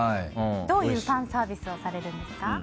どういうファンサービスをされるんですか？